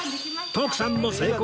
徳さんも成功！